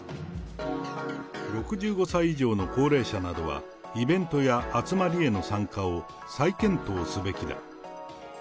６５歳以上の高齢者などはイベントや集まりへの参加を再検討すべきだ。